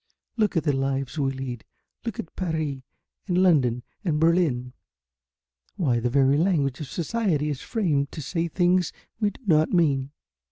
Look at the lives we lead, look at Paris and London and Berlin. Why the very language of society is framed to say things we do not mean."